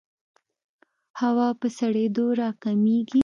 هوا په سړېدو راکمېږي.